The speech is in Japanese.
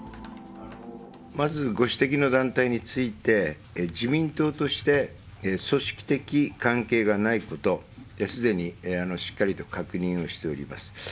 まずご指摘の団体について、自民党として組織的関係がないこと、すでにしっかりと確認をしております。